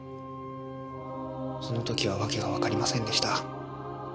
その時は訳がわかりませんでした。